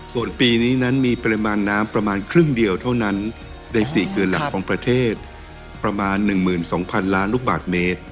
ส่วนปีนี้นั้นมีปริมาณน้ำประมาณครึ่งเดียวเท่านั้นใน๔คืนหลักของประเทศประมาณ๑๒๐๐๐ล้านลูกบาทเมตร